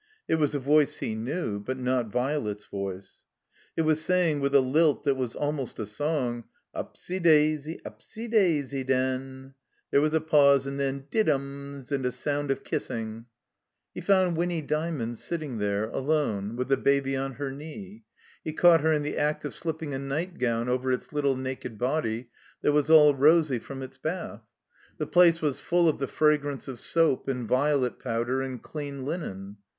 It was a voice he knew, but not Violet's voice. It was saying, with a lilt that was almost a song, Upsy daisy, upsy daisy, den!" There was a pause and then "Diddums!" and a sound of kissing. 170 THE COMBINED MAZE He found Winny Dymond sitting there, alone, with the Baby on her knee. He caught her in the act of slipping a nightgown over its little naked body, that was all rosy from its bath. The place was full of the fragrance of soap and violet powder and dean linen.